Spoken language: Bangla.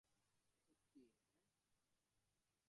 এসব কী, হ্যাঁ?